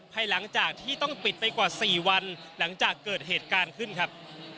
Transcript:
ภายหลังจากที่ต้องปิดไปกว่า๔วันหลังจากเกิดเหตุการณ์ขึ้นครับ